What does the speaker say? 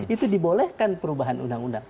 itu dibolehkan perubahan undang undang